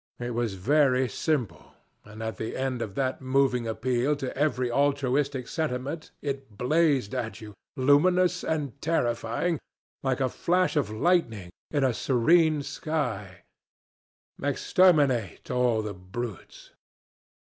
It was very simple, and at the end of that moving appeal to every altruistic sentiment it blazed at you, luminous and terrifying, like a flash of lightning in a serene sky: 'Exterminate all the brutes!'